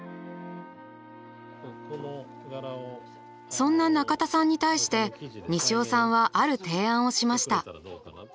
そんな中田さんに対して西尾さんはある提案をしました。